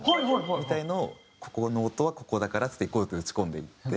みたいのをここの音はここだからっつって１個１個打ち込んでいって。